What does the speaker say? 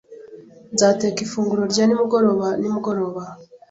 Nzateka ifunguro rya nimugoroba nimugoroba.